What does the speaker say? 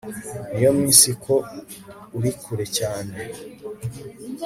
n'iyo minsi ko uri kure cyane